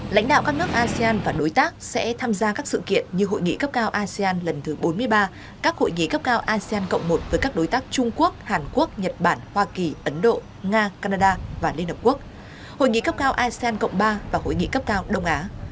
lãnh đạo các nước asean và đối tác sẽ tham gia các sự kiện như hội nghị cấp cao asean lần thứ bốn mươi ba các hội nghị cấp cao asean cộng một với các đối tác trung quốc hàn quốc nhật bản hoa kỳ ấn độ nga canada và liên hợp quốc hội nghị cấp cao asean cộng ba và hội nghị cấp cao đông á